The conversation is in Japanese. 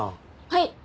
はい。